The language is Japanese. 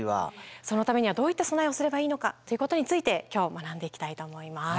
そのためにはどういった備えをすればいいのかっていうことについて今日は学んでいきたいと思います。